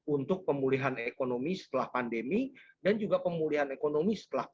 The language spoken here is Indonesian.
untuk pemulihan ekonomi setelah pandemi dan pemulihan ekonomi setelah perang ini